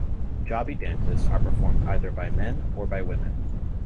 Punjabi dances are performed either by men or by women.